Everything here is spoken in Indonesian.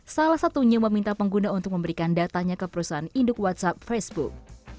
salah satunya meminta pengguna untuk memberikan datanya ke perusahaan induk whatsapp facebook